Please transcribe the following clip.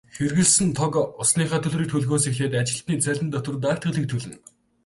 Хэрэглэсэн тог, усныхаа төлбөрийг төлөхөөс эхлээд ажилтнуудын цалин, татвар, даатгалыг төлнө.